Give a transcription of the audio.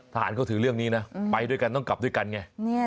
ทหารเขาถือเรื่องนี้นะไปด้วยกันต้องกลับด้วยกันไง